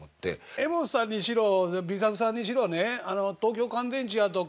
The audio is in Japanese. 柄本さんにしろＢ作さんにしろね東京乾電池やとか。